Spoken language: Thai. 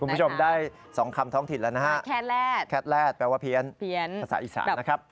คุณผู้ชมได้๒คำท้องถิ่นแล้วนะฮะแคลดแรดแคลดแรดแปลว่าเพียนภาษาอีสานนะครับ